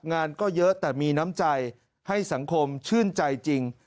งานก็เยอะแต่มีน้ำใจให้สังคมชื่นใจจริง